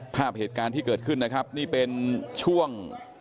ภาพเหตุการณ์ที่เกิดขึ้นนะครับนี่เป็นช่วง